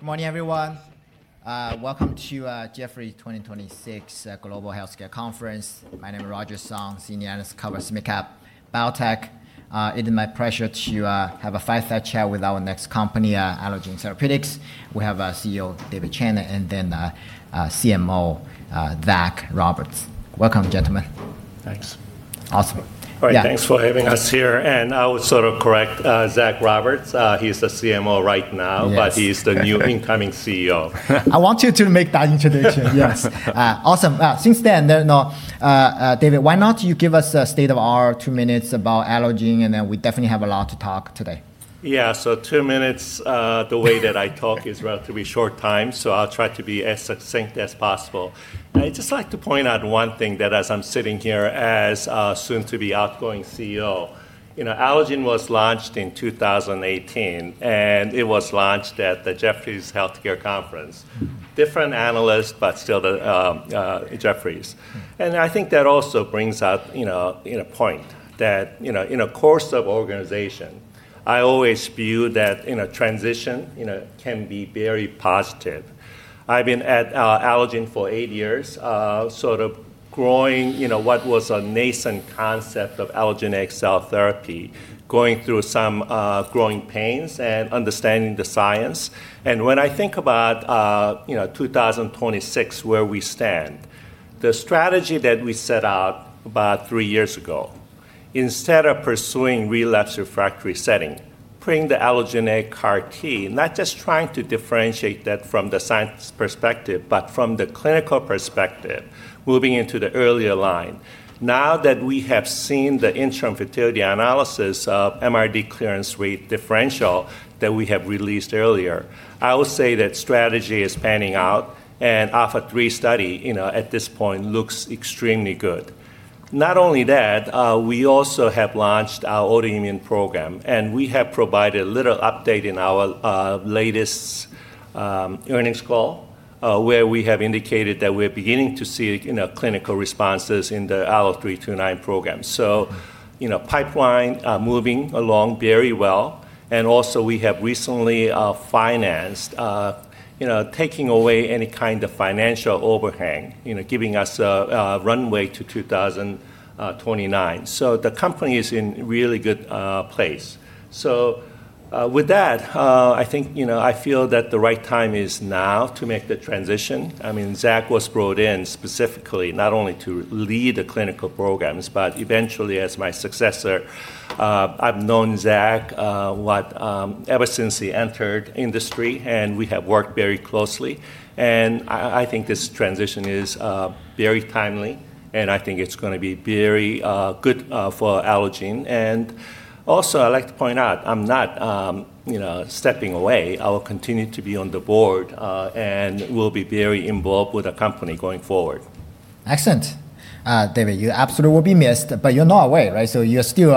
All right. Good morning, everyone. Welcome to Jefferies 2026 Global Healthcare Conference. My name is Roger Song, Senior Analyst covers mid-cap biotech. It is my pleasure to have a fireside chat with our next company, Allogene Therapeutics. We have CEO, David Chang, and then CMO, Zach Roberts. Welcome, gentlemen. Thanks. Awesome. All right. Thanks for having us here. I would sort of correct, Zach Roberts, he's the CMO right now. Yes He's the new incoming CEO. I want you to make that introduction. Yes. Awesome. David, why not you give us a state of our two minutes about Allogene, and then we definitely have a lot to talk today. Yeah. Two minutes, the way that I talk is relatively short time. I'll try to be as succinct as possible. I'd just like to point out one thing that as I'm sitting here as soon to be outgoing CEO, Allogene was launched in 2018, and it was launched at the Jefferies Global Healthcare Conference. Different analyst, still Jefferies. I think that also brings out a point that in a course of organization, I always view that in a transition, can be very positive. I've been at Allogene for eight years, sort of growing what was a nascent concept of allogeneic cell therapy. Going through some growing pains and understanding the science. When I think about 2026, where we stand, the strategy that we set out about three years ago, instead of pursuing relapse refractory setting, putting the allogeneic CAR T, not just trying to differentiate that from the science perspective, but from the clinical perspective, moving into the earlier line. Now that we have seen the interim futility analysis of MRD clearance rate differential that we have released earlier, I would say that strategy is panning out, and ALPHA3 study, at this point, looks extremely good. Not only that, we also have launched our autoimmune program, and we have provided a little update in our latest earnings call, where we have indicated that we're beginning to see clinical responses in the ALLO-329 program. Pipeline moving along very well. Also, we have recently financed, taking away any kind of financial overhang, giving us a runway to 2029. The company is in really good place. With that, I feel that the right time is now to make the transition. Zach was brought in specifically not only to lead the clinical programs, but eventually as my successor. I've known Zach ever since he entered industry, and we have worked very closely. I think this transition is very timely, and I think it's going to be very good for Allogene. Also, I'd like to point out, I'm not stepping away. I will continue to be on the board, and will be very involved with the company going forward. Excellent. David, you absolutely will be missed, but you're not away. You're still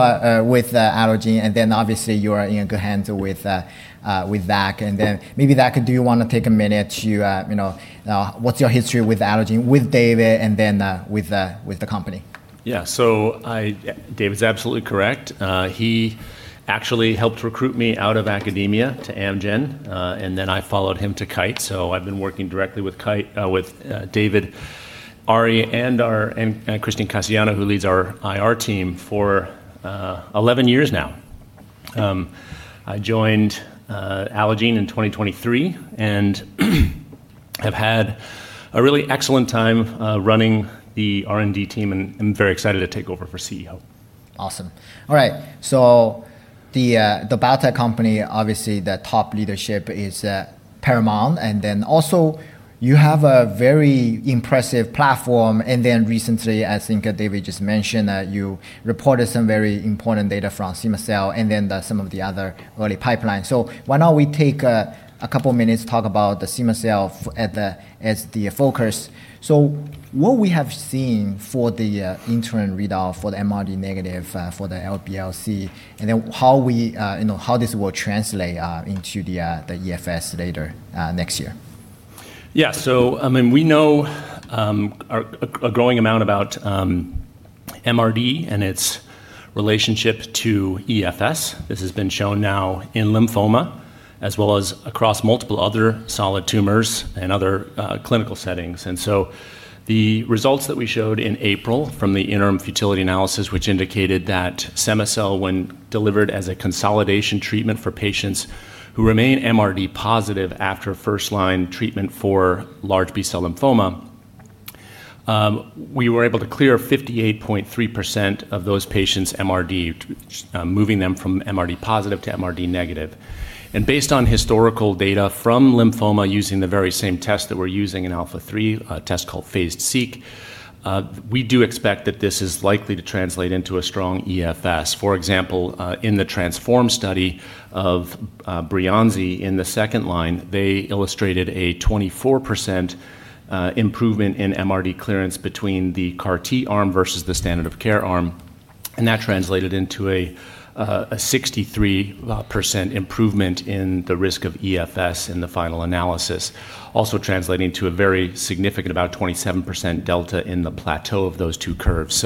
with Allogene, Obviously you are in good hands with Zach. Maybe Zach, do you want to take a minute to-- What's your history with Allogene, with David, and then with the company? Yeah. David's absolutely correct. He actually helped recruit me out of academia to Amgen, and then I followed him to Kite. I've been working directly with David, Arie, and Christine Cassiano, who leads our IR team, for 11 years now. I joined Allogene in 2023 and have had a really excellent time running the R&D team, and I'm very excited to take over for CEO. Awesome. All right. The biotech company, obviously the top leadership is paramount, and then also you have a very impressive platform. Recently, I think David just mentioned that you reported some very important data from cema-cel, and then some of the other early pipelines. Why not we take a couple of minutes to talk about the cema-cel as the focus. What we have seen for the interim readout for the MRD negative for the LBCL, and then how this will translate into the EFS later next year. Yeah. We know a growing amount about MRD and its relationship to EFS. This has been shown now in lymphoma as well as across multiple other solid tumors and other clinical settings. The results that we showed in April from the interim futility analysis, which indicated that cema-cel, when delivered as a consolidation treatment for patients who remain MRD positive after first-line treatment for large B-cell lymphoma, we were able to clear 58.3% of those patients' MRD, moving them from MRD positive to MRD negative. Based on historical data from lymphoma using the very same test that we're using in ALPHA3, a test called PhasED-Seq, we do expect that this is likely to translate into a strong EFS. For example, in the TRANSFORM study of Breyanzi in the second line, they illustrated a 24% improvement in MRD clearance between the CAR T arm versus the standard of care arm. That translated into a 63% improvement in the risk of EFS in the final analysis, also translating to a very significant, about 27% delta in the plateau of those two curves.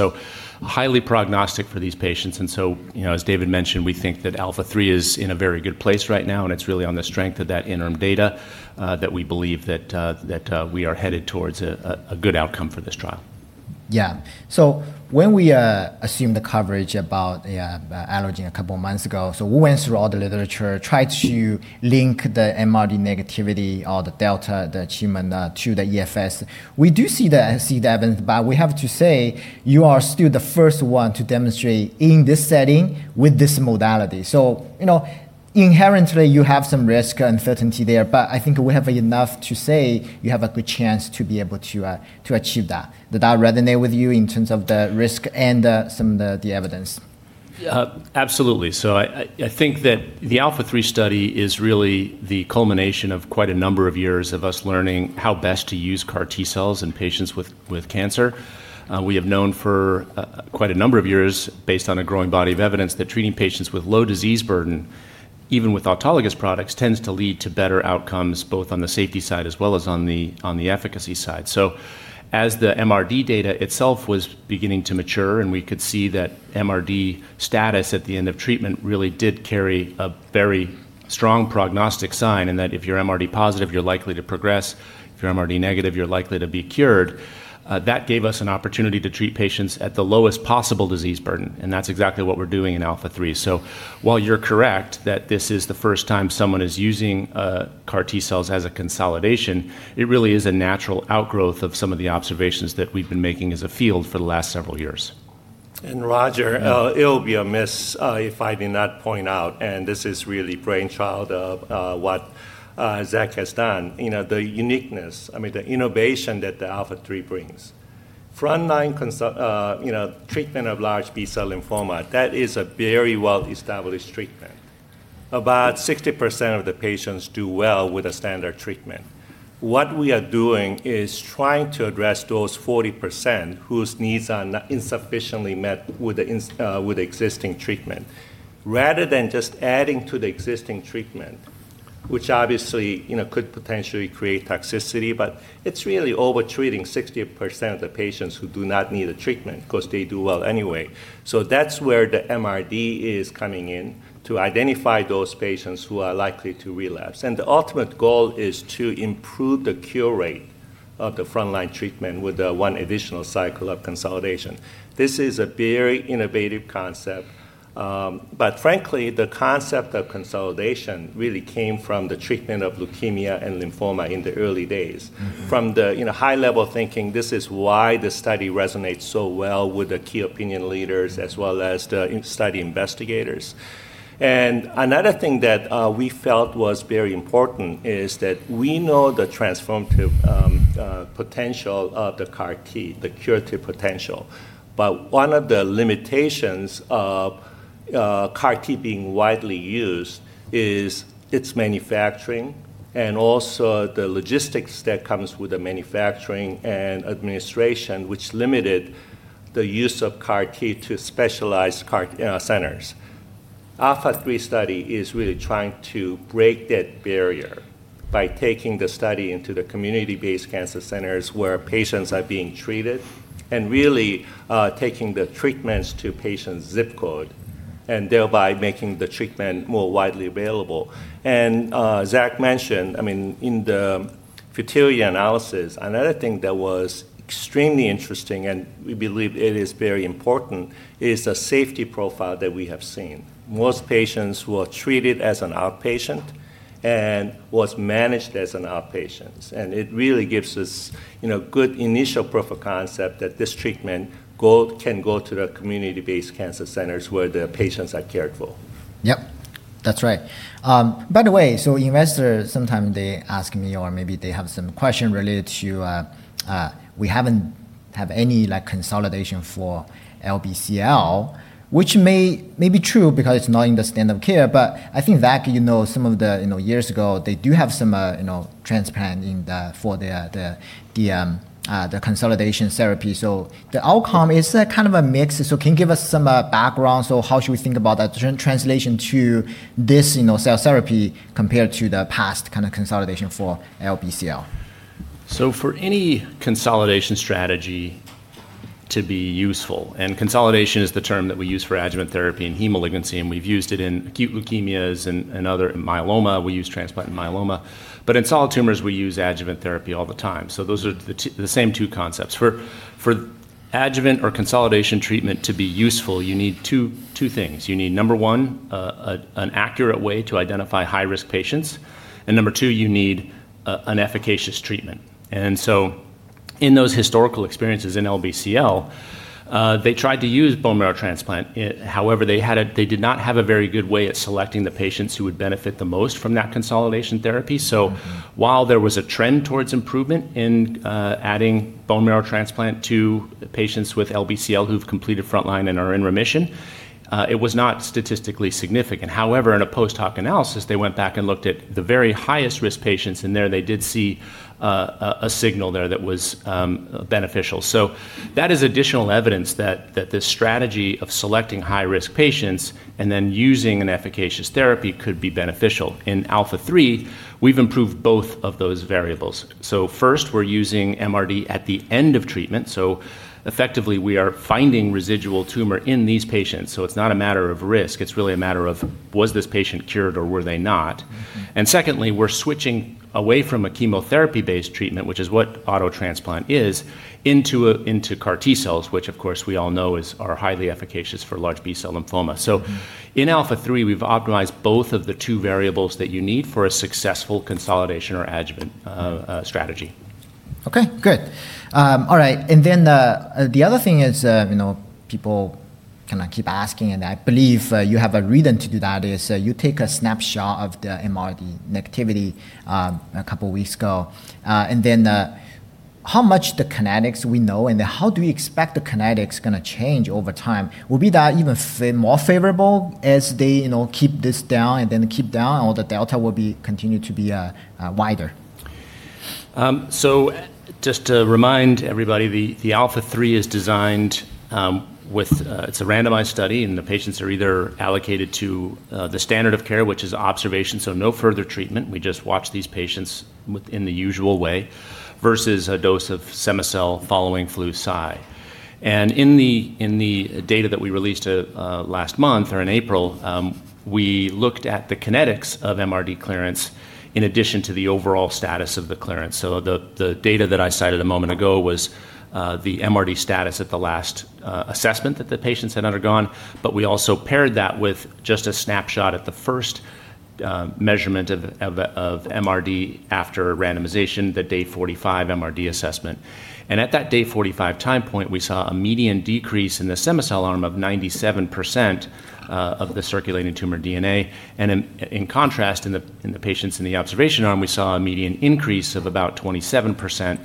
Highly prognostic for these patients. As David mentioned, we think that ALPHA3 is in a very good place right now, and it's really on the strength of that interim data that we believe that we are headed towards a good outcome for this trial. Yeah. When we assumed the coverage about Allogene a couple of months ago, we went through all the literature, tried to link the MRD negativity or the delta, the achievement to the EFS. We do see the evidence, we have to say, you are still the first one to demonstrate in this setting with this modality. Inherently you have some risk uncertainty there, I think we have enough to say you have a good chance to be able to achieve that. Did that resonate with you in terms of the risk and some of the evidence? Yeah, absolutely. I think that the ALPHA3 study is really the culmination of quite a number of years of us learning how best to use CAR T cells in patients with cancer. We have known for quite a number of years, based on a growing body of evidence, that treating patients with low disease burden, even with autologous products, tends to lead to better outcomes, both on the safety side as well as on the efficacy side. As the MRD data itself was beginning to mature, and we could see that MRD status at the end of treatment really did carry a very strong prognostic sign, and that if you're MRD positive, you're likely to progress. If you're MRD negative, you're likely to be cured. That gave us an opportunity to treat patients at the lowest possible disease burden, and that's exactly what we're doing in ALPHA3. While you're correct that this is the first time someone is using CAR T cells as a consolidation, it really is a natural outgrowth of some of the observations that we've been making as a field for the last several years. Roger, it'll be a miss if I did not point out, this is really brainchild of what Zach has done. The uniqueness, the innovation that the ALPHA3 brings. Frontline treatment of large B-cell lymphoma, that is a very well-established treatment. About 60% of the patients do well with a standard treatment. What we are doing is trying to address those 40% whose needs are not insufficiently met with existing treatment. Rather than just adding to the existing treatment, which obviously could potentially create toxicity, but it's really over-treating 60% of the patients who do not need a treatment because they do well anyway. That's where the MRD is coming in to identify those patients who are likely to relapse. The ultimate goal is to improve the cure rate of the frontline treatment with one additional cycle of consolidation. This is a very innovative concept. Frankly, the concept of consolidation really came from the treatment of leukemia and lymphoma in the early days. From the high-level thinking, this is why the study resonates so well with the key opinion leaders as well as the study investigators. Another thing that we felt was very important is that we know the transformative potential of the CAR T, the curative potential. One of the limitations of CAR T being widely used is its manufacturing and also the logistics that comes with the manufacturing and administration, which limited the use of CAR T to specialized CAR T centers. ALPHA3 study is really trying to break that barrier by taking the study into the community-based cancer centers where patients are being treated and really taking the treatments to patients' zip code and thereby making the treatment more widely available. Zach mentioned, in the futility analysis, another thing that was extremely interesting, and we believe it is very important, is the safety profile that we have seen. Most patients were treated as an outpatient and was managed as an outpatient. It really gives us good initial proof of concept that this treatment can go to the community-based cancer centers where the patients are cared for. Yep. That's right. By the way, investors, sometimes they ask me or maybe they have some question related to we haven't have any consolidation for LBCL, which may be true because it's not in the standard of care, but I think Zach you know some of the years ago, they do have some transplant for the consolidation therapy. The outcome is kind of a mix. Can you give us some background? How should we think about that translation to this cell therapy compared to the past consolidation for LBCL? For any consolidation strategy to be useful, consolidation is the term that we use for adjuvant therapy in heme malignancy, and we've used it in acute leukemias. In myeloma, we use transplant in myeloma. In solid tumors, we use adjuvant therapy all the time. Those are the same two concepts. For adjuvant or consolidation treatment to be useful, you need two things. You need, number one, an accurate way to identify high-risk patients, and number two, you need an efficacious treatment. In those historical experiences in LBCL, they tried to use bone marrow transplant. However, they did not have a very good way of selecting the patients who would benefit the most from that consolidation therapy. While there was a trend towards improvement in adding bone marrow transplant to patients with LBCL who've completed frontline and are in remission. It was not statistically significant. However, in a post hoc analysis, they went back and looked at the very highest risk patients, and there they did see a signal there that was beneficial. That is additional evidence that this strategy of selecting high-risk patients and then using an efficacious therapy could be beneficial. In ALPHA3, we've improved both of those variables. First, we're using MRD at the end of treatment. Effectively, we are finding residual tumor in these patients. It's not a matter of risk, it's really a matter of was this patient cured or were they not? Secondly, we're switching away from a chemotherapy-based treatment, which is what auto transplant is, into CAR T-cells, which of course we all know are highly efficacious for Large B-cell lymphoma. In ALPHA3, we've optimized both of the two variables that you need for a successful consolidation or adjuvant strategy. Okay, good. All right. The other thing is people keep asking, and I believe you have a reason to do that, is you take a snapshot of the MRD negativity a couple of weeks ago. How much the kinetics we know, and how do we expect the kinetics going to change over time? Will that be even more favorable as they keep this down, or the delta will continue to be wider? Just to remind everybody, the ALPHA3 is a randomized study, and the patients are either allocated to the standard of care, which is observation, so no further treatment. We just watch these patients in the usual way versus a dose of cema-cel following Flu/Cy. In the data that we released last month or in April, we looked at the kinetics of MRD clearance in addition to the overall status of the clearance. The data that I cited a moment ago was the MRD status at the last assessment that the patients had undergone. We also paired that with just a snapshot at the first measurement of MRD after randomization, the day 45 MRD assessment. At that day 45 time point, we saw a median decrease in the cema-cel arm of 97% of the circulating tumor DNA. In contrast, in the patients in the observation arm, we saw a median increase of about 27%,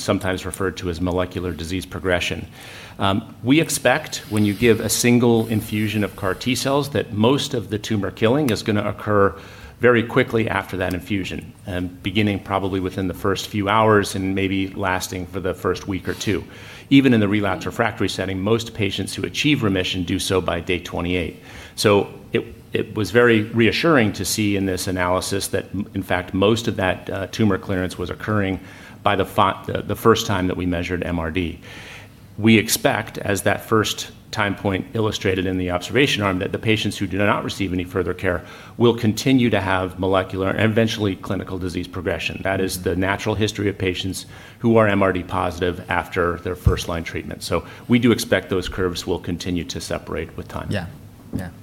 sometimes referred to as molecular disease progression. We expect when you give a single infusion of CAR T-cells that most of the tumor killing is going to occur very quickly after that infusion, and beginning probably within the first few hours and maybe lasting for the first week or two. Even in the relapse refractory setting, most patients who achieve remission do so by day 28. It was very reassuring to see in this analysis that in fact, most of that tumor clearance was occurring by the first time that we measured MRD. We expect, as that first time point illustrated in the observation arm, that the patients who do not receive any further care will continue to have molecular and eventually clinical disease progression. That is the natural history of patients who are MRD positive after their first-line treatment. We do expect those curves will continue to separate with time. Yeah.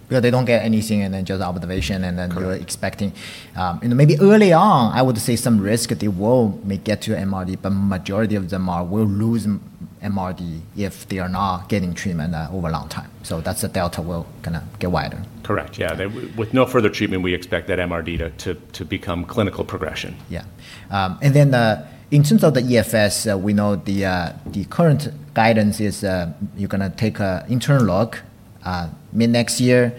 They don't get anything and then just observation. Correct Maybe early on, I would say some risk they will may get to MRD, but majority of them will lose MRD if they are not getting treatment over a long time. That's the delta will kind of get wider. Correct. Yeah. With no further treatment, we expect that MRD to become clinical progression. Yeah. In terms of the EFS, we know the current guidance is you're going to take internal look mid-next year.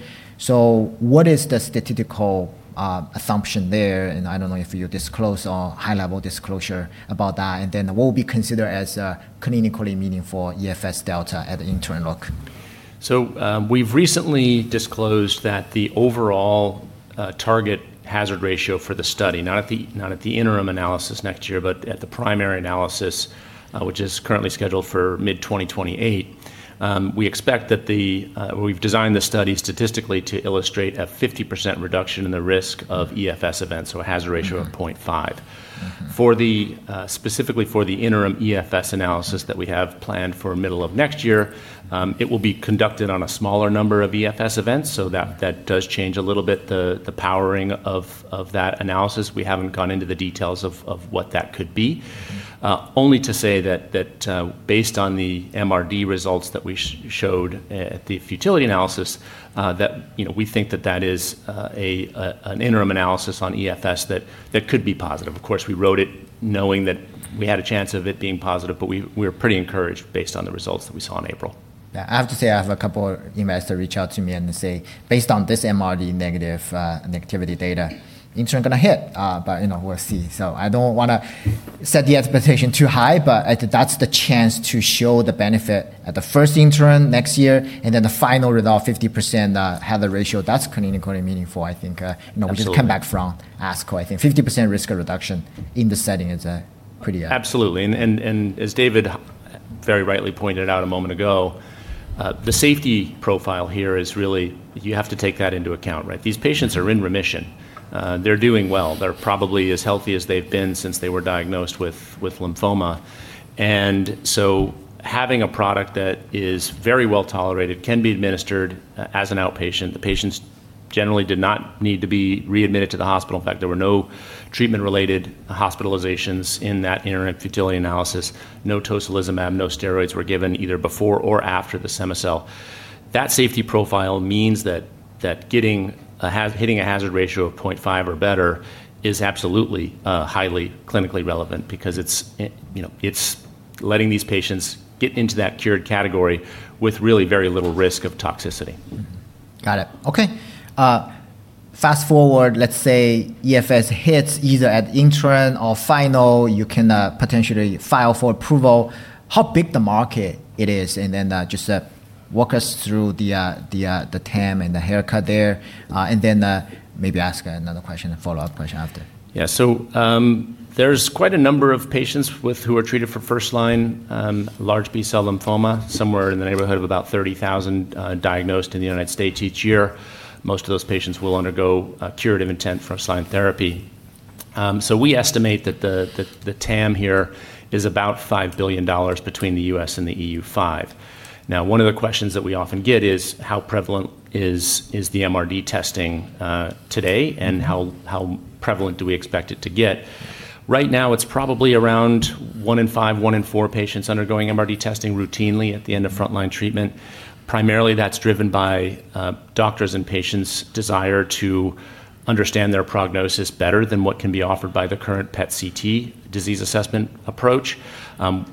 What is the statistical assumption there? I don't know if you disclose or high-level disclosure about that, and then what will be considered as clinically meaningful EFS delta at the interim look? We've recently disclosed that the overall target hazard ratio for the study, not at the interim analysis next year, but at the primary analysis, which is currently scheduled for mid-2028. We've designed the study statistically to illustrate a 50% reduction in the risk of EFS events, so a hazard ratio of 0.5. Specifically for the interim EFS analysis that we have planned for middle of next year, it will be conducted on a smaller number of EFS events, so that does change a little bit the powering of that analysis. We haven't gone into the details of what that could be. Only to say that based on the MRD results that we showed at the futility analysis, that we think that that is an interim analysis on EFS that could be positive. Of course, we wrote it knowing that we had a chance of it being positive, but we're pretty encouraged based on the results that we saw in April. Yeah. I have to say, I have a couple of investors reach out to me and say, based on this MRD negativity data, interim going to hit, but we'll see. I don't want to set the expectation too high, but that's the chance to show the benefit at the first interim next year and then the final result, 50% hazard ratio. That's clinically meaningful, I think. Absolutely just come back from ASCO. I think 50% risk reduction in the setting is. Absolutely. As David very rightly pointed out a moment ago, the safety profile here is really, you have to take that into account, right? These patients are in remission. They're doing well. They're probably as healthy as they've been since they were diagnosed with lymphoma. Having a product that is very well-tolerated, can be administered as an outpatient. The patients generally did not need to be readmitted to the hospital. In fact, there were no treatment-related hospitalizations in that interim futility analysis. No tocilizumab, no steroids were given either before or after the cema-cel. That safety profile means that hitting a hazard ratio of 0.5 or better is absolutely highly clinically relevant because it's letting these patients get into that cured category with really very little risk of toxicity. Got it. Okay. Fast-forward, let's say EFS hits either at interim or final, you can potentially file for approval. How big the market it is? Just walk us through the TAM and the haircut there, and then maybe ask another question, a follow-up question after. There's quite a number of patients who are treated for first-line Large B-cell lymphoma, somewhere in the neighborhood of about 30,000 diagnosed in the United States each year. Most of those patients will undergo curative intent first-line therapy. We estimate that the TAM here is about $5 billion between the U.S. and the EU5. One of the questions that we often get is how prevalent is the MRD testing today and how prevalent do we expect it to get? It's probably around one in five, one in four patients undergoing MRD testing routinely at the end of frontline treatment. Primarily, that's driven by doctors' and patients' desire to understand their prognosis better than what can be offered by the current PET-CT disease assessment approach.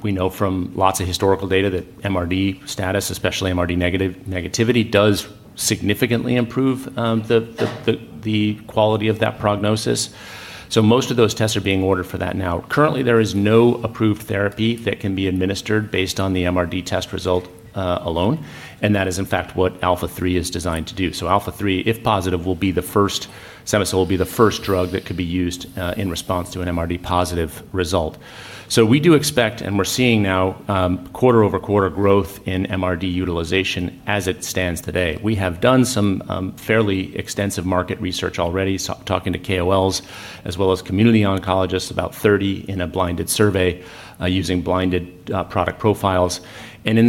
We know from lots of historical data that MRD status, especially MRD negativity, does significantly improve the quality of that prognosis. Most of those tests are being ordered for that now. Currently, there is no approved therapy that can be administered based on the MRD test result alone, and that is in fact what ALPHA3 is designed to do. ALPHA3, if positive, cema-cel will be the first drug that could be used in response to an MRD positive result. We do expect, and we're seeing now quarter-over-quarter growth in MRD utilization as it stands today. We have done some fairly extensive market research already, talking to KOLs as well as community oncologists, about 30 in a blinded survey using blinded product profiles. In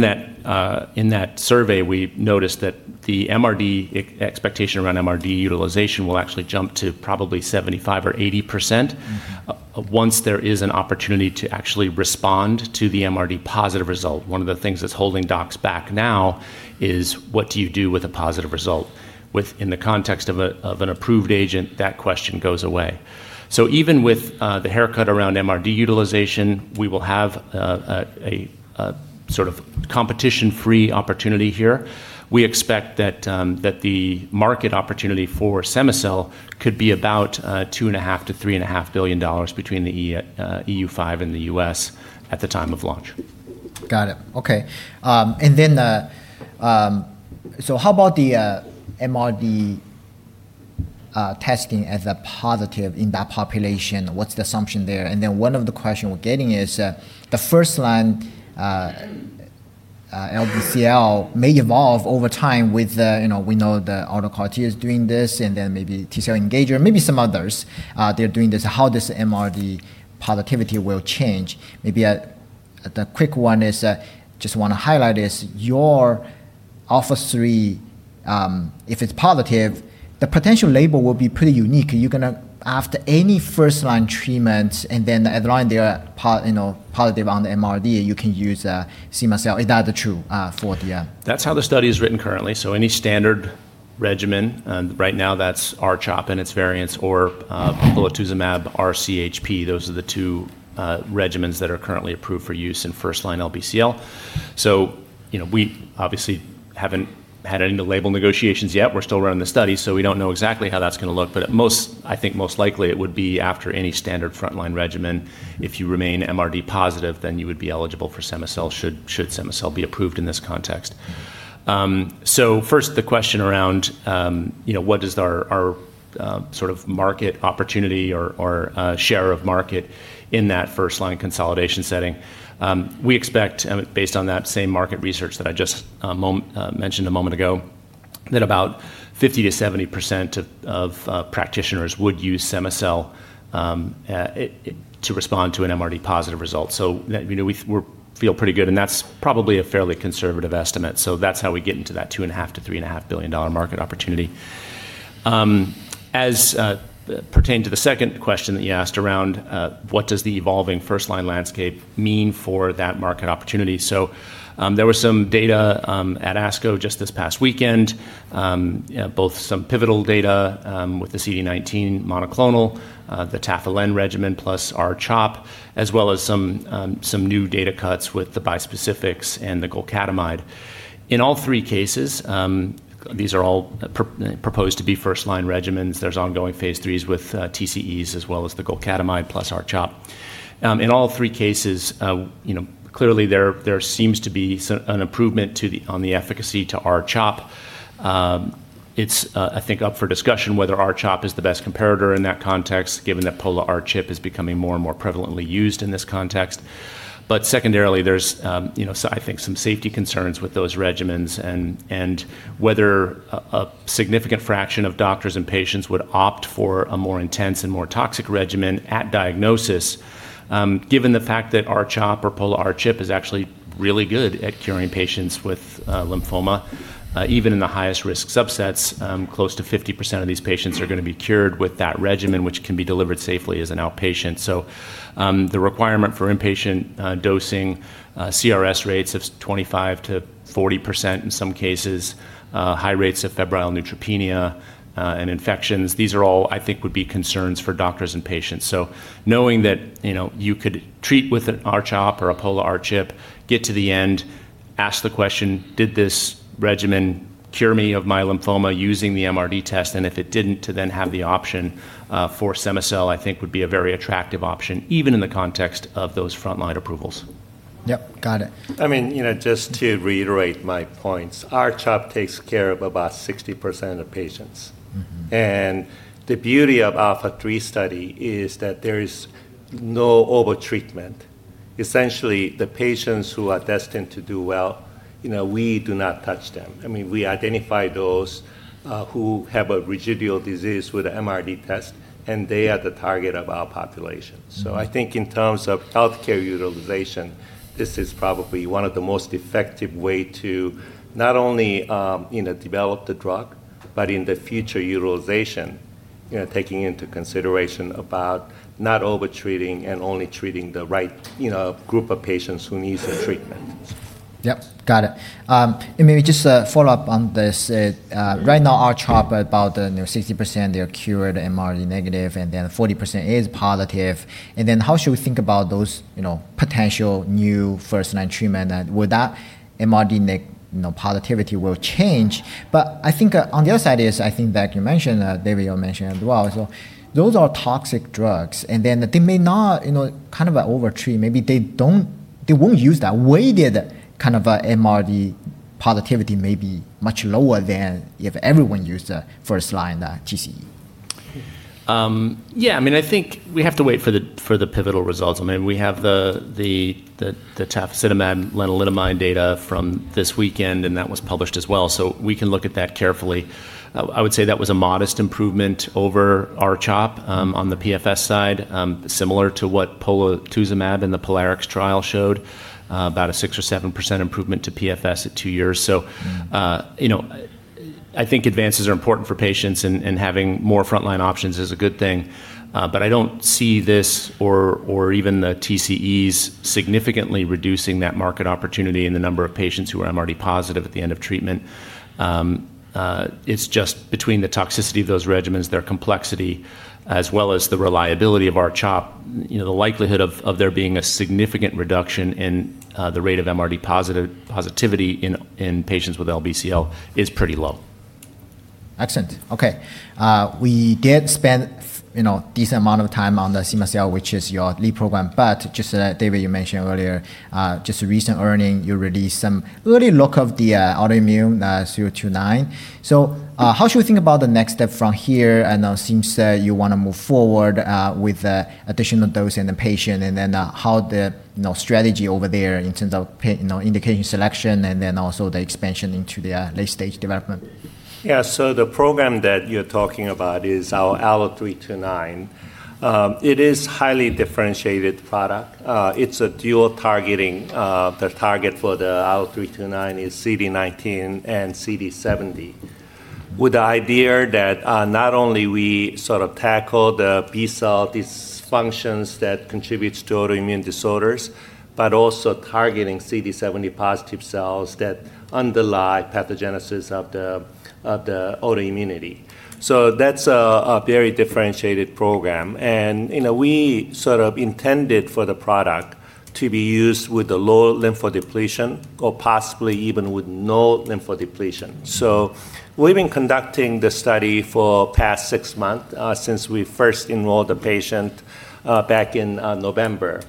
that survey, we noticed that the expectation around MRD utilization will actually jump to probably 75% or 80% once there is an opportunity to actually respond to the MRD positive result. One of the things that's holding docs back now is what do you do with a positive result? In the context of an approved agent, that question goes away. Even with the haircut around MRD utilization, we will have a sort of competition-free opportunity here. We expect that the market opportunity for cema-cel could be about $2.5 billion-$3.5 billion between the EU5 and the U.S. at the time of launch. How about the MRD testing as a positive in that population? What's the assumption there? One of the questions we're getting is the first-line LBCL may evolve over time. We know that autologous CAR T is doing this, and then maybe T-cell engager, maybe some others, they're doing this. How this MRD positivity will change? Maybe the quick one is just want to highlight is your ALPHA3, if it's positive, the potential label will be pretty unique. After any first-line treatment and then the other line, they are positive on the MRD, you can use cema-cel. Is that true for the? That's how the study is written currently. Any standard regimen, right now that's R-CHOP and its variants or polatuzumab R-CHP. Those are the two regimens that are currently approved for use in first-line LBCL. We obviously haven't had any label negotiations yet. We're still running the study, so we don't know exactly how that's going to look. I think most likely it would be after any standard frontline regimen, if you remain MRD positive, then you would be eligible for cema-cel, should cema-cel be approved in this context. First, the question around what is our sort of market opportunity or share of market in that first-line consolidation setting? We expect, based on that same market research that I just mentioned a moment ago, that about 50%-70% of practitioners would use cema-cel to respond to an MRD positive result. We feel pretty good, and that's probably a fairly conservative estimate. That's how we get into that $2.5 billion-$3.5 billion market opportunity. As it pertained to the second question that you asked around what does the evolving first-line landscape mean for that market opportunity? There was some data at ASCO just this past weekend, both some pivotal data with the CD19 monoclonal, the tafasitamab regimen plus R-CHOP, as well as some new data cuts with the bispecifics and the glofitamab. In all three cases, these are all proposed to be first-line regimens. There's ongoing phase IIIs with TCEs as well as the glofitamab plus R-CHOP. In all three cases, clearly there seems to be an improvement on the efficacy to R-CHOP. It's, I think, up for discussion whether R-CHOP is the best comparator in that context, given that pola-R-CHP is becoming more and more prevalently used in this context. Secondarily, there's I think some safety concerns with those regimens and whether a significant fraction of doctors and patients would opt for a more intense and more toxic regimen at diagnosis, given the fact that R-CHOP or pola-R-CHP is actually really good at curing patients with lymphoma, even in the highest risk subsets. Close to 50% of these patients are going to be cured with that regimen, which can be delivered safely as an outpatient. The requirement for inpatient dosing, CRS rates of 25%-40% in some cases, high rates of febrile neutropenia and infections, these are all I think would be concerns for doctors and patients. Knowing that you could treat with an R-CHOP or a pola-R-CHP, get to the end. Ask the question, did this regimen cure me of my lymphoma using the MRD test? If it didn't, to then have the option for cema-cel, I think would be a very attractive option, even in the context of those frontline approvals. Yep. Got it. Just to reiterate my points, R-CHOP takes care of about 60% of patients. The beauty of ALPHA3 study is that there is no over-treatment. Essentially, the patients who are destined to do well, we do not touch them. We identify those who have a residual disease with the MRD test, and they are the target of our population. I think in terms of healthcare utilization, this is probably one of the most effective way to not only develop the drug, but in the future utilization, taking into consideration about not over-treating and only treating the right group of patients who need the treatment. Yep. Got it. Maybe just a follow-up on this. Right now, R-CHOP, about 60%, they are cured MRD negative, and then 40% is positive. How should we think about those potential new first-line treatment? Would that MRD negativity will change? I think on the other side is, I think that you mentioned, David, you mentioned as well, those are toxic drugs, that they may not over-treat. Maybe they won't use that. Weighted MRD positivity may be much lower than if everyone used first-line TCE. Yeah, I think we have to wait for the pivotal results. We have the tafasitamab lenalidomide data from this weekend, and that was published as well. We can look at that carefully. I would say that was a modest improvement over R-CHOP on the PFS side, similar to what polatuzumab in the POLARIX trial showed, about a 6% or 7% improvement to PFS at two years. I think advances are important for patients, and having more frontline options is a good thing. I don't see this or even the TCEs significantly reducing that market opportunity in the number of patients who are MRD positive at the end of treatment. It's just between the toxicity of those regimens, their complexity, as well as the reliability of R-CHOP, the likelihood of there being a significant reduction in the rate of MRD positivity in patients with LBCL is pretty low. Excellent. Okay. We did spend decent amount of time on the cema-cel, which is your lead program. David, you mentioned earlier, just recent earnings, you released some early look of the autoimmune ALLO-329. How should we think about the next step from here? It seems you want to move forward with additional dose in the patient, how the strategy over there in terms of indication selection and also the expansion into the late-stage development. Yeah. The program that you're talking about is our ALLO-329. It is highly differentiated product. It's a dual targeting. The target for the ALLO-329 is CD19 and CD70, with the idea that not only we sort of tackle the B cell dysfunctions that contributes to autoimmune disorders, but also targeting CD70 positive cells that underlie pathogenesis of the autoimmunity. That's a very differentiated program. We sort of intended for the product to be used with the low lymphodepletion or possibly even with no lymphodepletion. We've been conducting the study for past six months, since we first enrolled the patient back in November.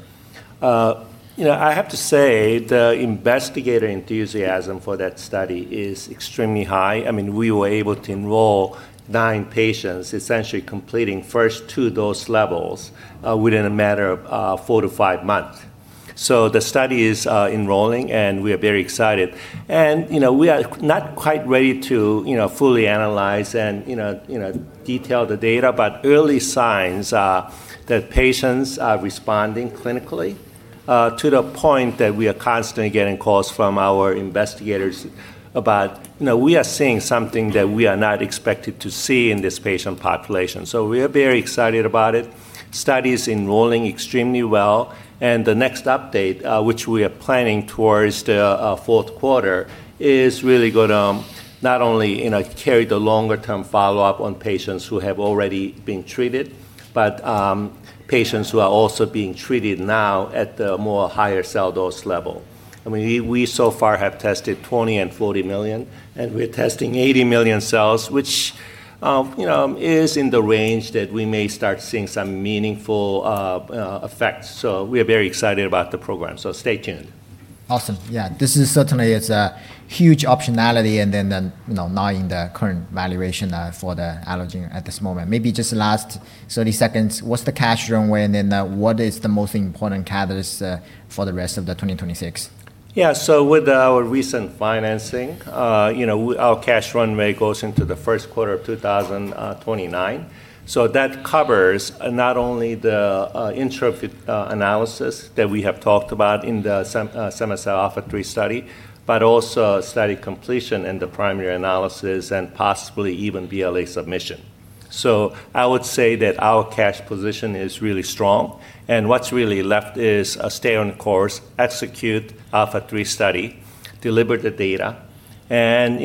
I have to say the investigator enthusiasm for that study is extremely high. We were able to enroll nine patients, essentially completing first two dose levels within a matter of four to five months. The study is enrolling, and we are very excited. We are not quite ready to fully analyze and detail the data, but early signs are that patients are responding clinically, to the point that we are constantly getting calls from our investigators about, "We are seeing something that we are not expected to see in this patient population." We are very excited about it. Study is enrolling extremely well, and the next update, which we are planning towards the fourth quarter, is really going to not only carry the longer-term follow-up on patients who have already been treated, but patients who are also being treated now at the higher cell dose level. We so far have tested 20 and 40 million, and we're testing 80 million cells, which is in the range that we may start seeing some meaningful effects. We are very excited about the program. Stay tuned. Awesome. Yeah. This is certainly, it's a huge optionality, and then not in the current valuation for Allogene at this moment. Maybe just last 30 seconds, what's the cash runway, and then what is the most important catalyst for the rest of the 2026? With our recent financing, our cash runway goes into the first quarter of 2029. That covers not only the interim analysis that we have talked about in the cema-cel ALPHA3 study, but also study completion in the primary analysis and possibly even BLA submission. I would say that our cash position is really strong, and what's really left is stay on course, execute ALPHA3 study, deliver the data, and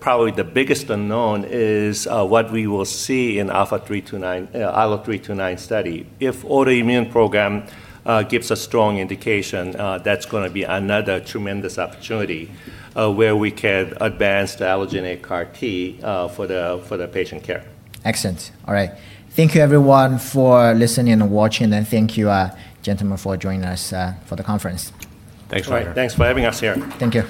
probably the biggest unknown is what we will see in ALLO-329 study. If autoimmune program gives a strong indication, that's going to be another tremendous opportunity where we can advance the allogeneic CAR T for the patient care. Excellent. All right. Thank you everyone for listening and watching, and thank you, gentlemen, for joining us for the conference. Thanks, Roger. Thanks for having us here. Thank you.